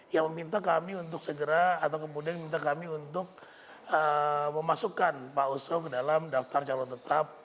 yang meminta kami untuk segera atau kemudian minta kami untuk memasukkan pak oso ke dalam daftar calon tetap